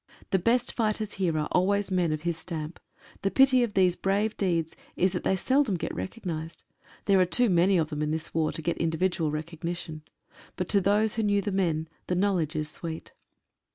The best fighters here are always men of his stamp. The pity of these brave deeds is, that they seldom get recognised. There are too many of them in this war to get individual recognition. But to those who knew the men, the knowledge is sweet.